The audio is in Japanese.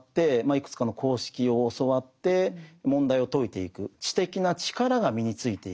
いくつかの公式を教わって問題を解いていく知的な力が身についていく。